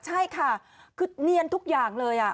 ใช่ค่ะคือเนียนทุกอย่างเลย